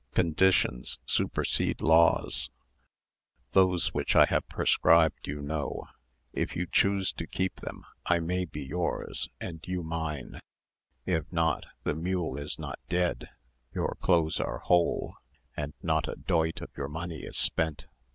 Conditions supersede laws; those which I have prescribed you know; if you choose to keep them, I may be yours, and you mine; if not, the mule is not dead, your clothes are whole, and not a doit of your money is spent.